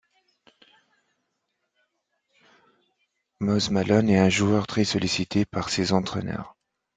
Moses Malone est un joueur très sollicité par ses entraîneurs.